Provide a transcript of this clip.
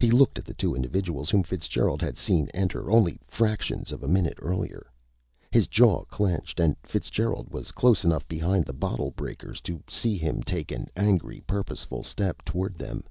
He looked at the two individuals whom Fitzgerald had seen enter only fractions of a minute earlier. His jaw clenched, and Fitzgerald was close enough behind the bottle breakers to see him take an angry, purposeful step toward them.